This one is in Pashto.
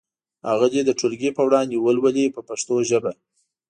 هغه دې د ټولګي په وړاندې ولولي په پښتو ژبه.